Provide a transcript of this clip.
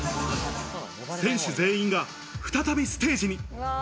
選手全員が再びステージに。